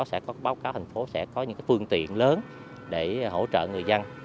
sẽ có báo cáo thành phố sẽ có những phương tiện lớn để hỗ trợ người dân